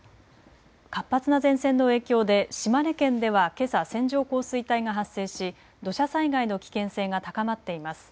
活発な前線の影響で島根県ではけさ線状降水帯が発生し土砂災害の危険性が高まっています。